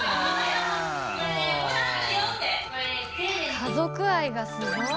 家族愛がすごい。